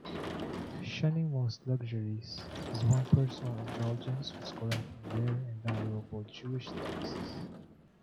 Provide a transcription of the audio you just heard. Shunning most luxuries, his one personal indulgence was collecting rare and valuable Jewish texts.